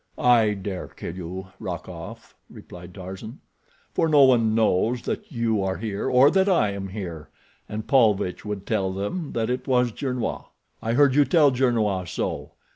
"I dare kill you, Rokoff," replied Tarzan, "for no one knows that you are here or that I am here, and Paulvitch would tell them that it was Gernois. I heard you tell Gernois so.